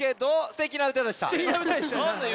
すてきな歌でしたね。